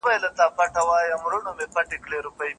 استاد د څيړني تګلاره بدلوي.